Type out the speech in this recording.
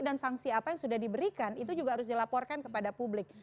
dan sanksi apa yang sudah diberikan itu juga harus dilaporkan kepada publik